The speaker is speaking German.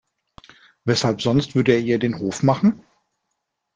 Weshalb sonst würde er ihr den Hof machen?